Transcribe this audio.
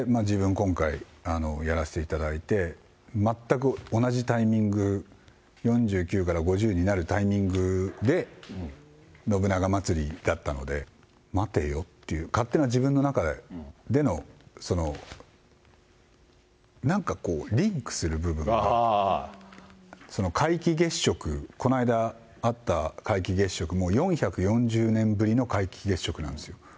今回、やらせていただいて、全く同じタイミング、４９から５０になるタイミングで、信長まつりだったので、待てよっていう、勝手な自分の中での、その、なんかリンクする部分が、皆既月食、この間あった皆既月食も４４０年ぶりの皆既月食なんですよ。